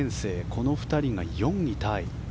この２人が４位タイ。